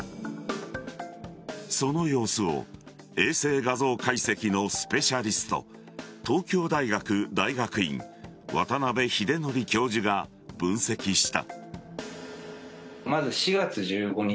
その様子を衛星画像解析のスペシャリスト東京大学大学院渡邉英徳教授が分析した。